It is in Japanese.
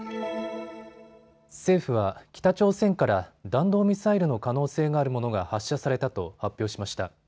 政府は北朝鮮から弾道ミサイルの可能性があるものが発射されたと発表しました。